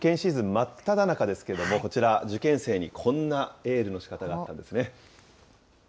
真っただ中ですけれども、こちら、受験生にこんなエールのしかたがあったんですね。